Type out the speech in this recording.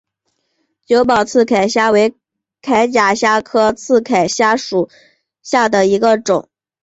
久保刺铠虾为铠甲虾科刺铠虾属下的一个种。